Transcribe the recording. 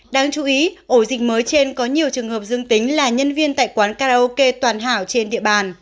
đáng chú ý ổ dịch mới trên có nhiều trường hợp dương tính là nhân viên tại quán karaoke toàn hảo trên địa bàn